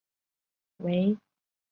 早期的大环道是由马头围道。